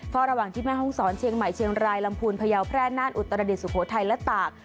เพราะระหว่างที่แม่ห้องศรเชียงใหม่เชียงรายลำพูนพยาวแพร่นานอุตรดิษสุโขทัยและตาก